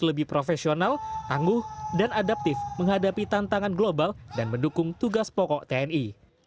lebih profesional tangguh dan adaptif menghadapi tantangan global dan mendukung tugas pokok tni